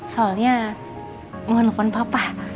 soalnya mau telepon papa